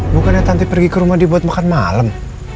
bukannya tante pergi ke rumah dia buat makan malam